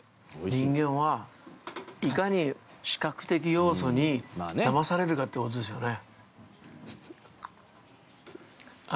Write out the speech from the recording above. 人間は、いかに視覚的要素にだまされるかということですよね。